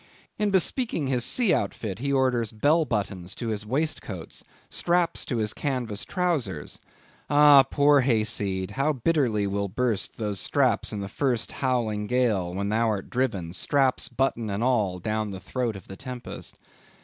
In bespeaking his sea outfit, he orders bell buttons to his waistcoats; straps to his canvas trowsers. Ah, poor Hay Seed! how bitterly will burst those straps in the first howling gale, when thou art driven, straps, buttons, and all, down the throat of the tempest.